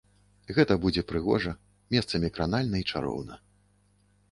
Гэта будзе прыгожа, месцамі кранальна і чароўна.